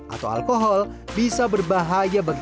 atau alkohol bisa berbahaya bagi